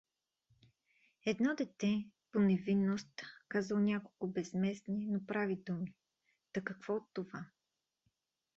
Едно дете, по невинност, казало няколко безместни, но прави думи… та какво от това?